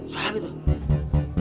suara apa itu